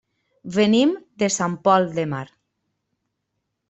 Venim de Sant Pol de Mar.